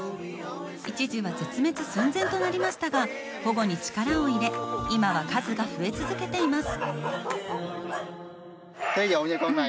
一時は絶滅寸前となりましたが、保護に力を入れ、今は数が増え続けています。